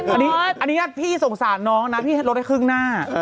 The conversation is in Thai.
อันนี้พี่สงสารน้องนะพี่ให้รถให้ครึ่งหน้า